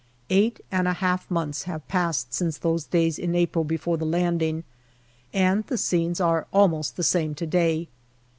Eight and a half months have passed since those days in April before the landing, and the scenes are almost the same to day.